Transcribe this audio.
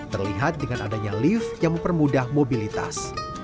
terlihat dengan adanya lift yang mempermudah mobilitas